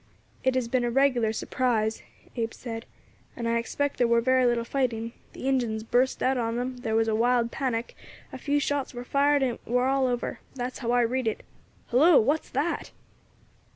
"It has been a regular surprise," Abe said, "and I expect there war very little fighting. The Injins burst out on them, there war a wild panic, a few shots war fired, and it war all over; that's how I read it. Hillo! what's that?"